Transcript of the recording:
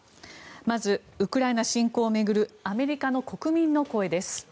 まず、ウクライナ侵攻を巡るアメリカの国民の声です。